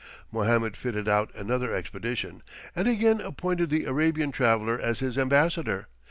Mohammed fitted out another expedition, and again appointed the Arabian traveller as his ambassador.